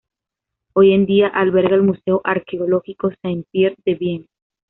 Hoy en día alberga el Museo arqueológico Saint-Pierre de Vienne.